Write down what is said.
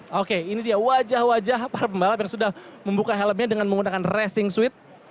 oke ini dia wajah wajah para pembalap yang sudah membuka helmnya dengan menggunakan racing suite